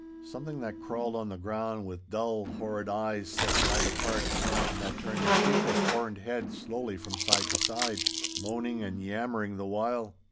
Something that crawled on the ground with dull, horrid eyes, set wide apart, and that turned a shapeless, horned head slowly from side to side, moaning and yammering the while.